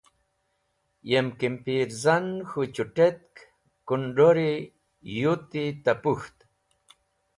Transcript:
Yem (kimpirzan] k̃hũ chut̃etk kũnd̃ori yuti ta pũk̃ht.